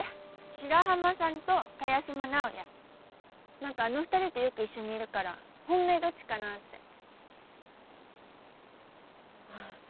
白浜さんと萱島直哉何かあの二人とよく一緒にいるから本命どっちかなあってああ